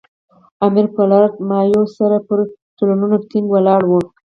امیر پر لارډ مایو سره پر تړونونو ټینګ ولاړ وو.